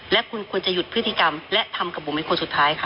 และคุณควรจะหยุดพฤติกรรมและทำกับบุ๋มเป็นคนสุดท้ายค่ะ